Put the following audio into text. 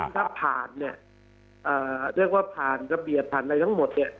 ถ้าผ่านเนี่ยเรียกว่าผ่านระเบียบผ่านอะไรทั้งหมดเนี่ย